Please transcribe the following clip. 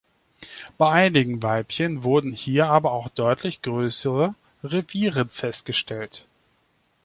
Bei einigen Weibchen wurden hier aber auch deutlich größere Reviere festgestellt.